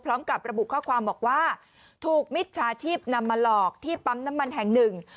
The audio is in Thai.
พร้อมกับระบุข้อความบอกว่าถูกมิจฉาชีพนำมาหลอกที่ปั๊มน้ำมันแห่งหนึ่ง